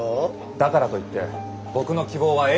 だからといって僕の希望は永遠に無視ですか？